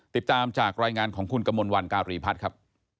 ติดตามจากรายงานของคุณกมลวันการีพัฒน์ครับ